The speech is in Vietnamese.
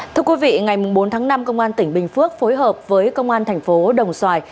thưa quý vị ngày bốn tháng năm công an tỉnh bình phước phối hợp với công an thành phố đồng xoài